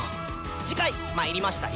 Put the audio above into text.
次回「魔入りました！